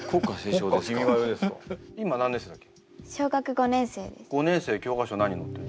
５年生教科書何載ってる？